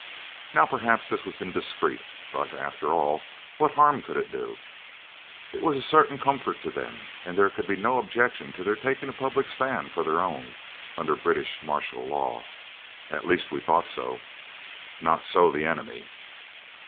Now perhaps this was indiscreet, but, after all, what harm could it do? It was a certain comfort to them, and there could be no objection to their taking a public stand for their own, under British martial law. At least, we thought so. Not so the enemy!